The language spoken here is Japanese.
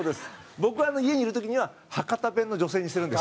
僕は家にいる時には博多弁の女性にしてるんです。